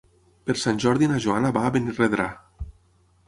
Per Sant Jordi na Joana va a Benirredrà.